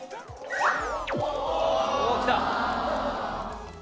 おっきた！